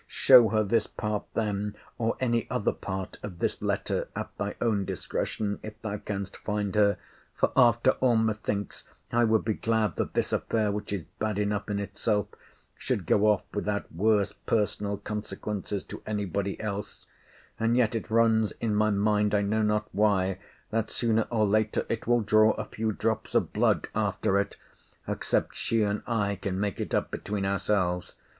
Show her this part, then, or any other part of this letter, at thy own discretion, if thou canst find her: for, after all, methinks, I would be glad that this affair, which is bad enough in itself, should go off without worse personal consequences to any body else: and yet it runs in my mind, I know not why, that, sooner or later it will draw a few drops of blood after it; except she and I can make it up between ourselves.